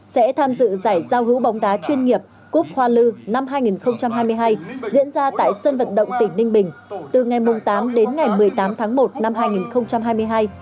sẽ tham dự giải giao hữu bóng đá chuyên nghiệp quốc hoa lư năm hai nghìn hai mươi hai diễn ra tại sân vận động tỉnh ninh bình từ ngày tám đến ngày một mươi tám tháng một năm hai nghìn hai mươi hai